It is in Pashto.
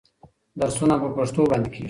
درسونه په پښتو وړاندې کېږي.